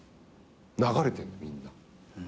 流れてんのみんな。